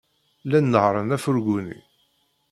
Llan nehhṛen afurgu-nni.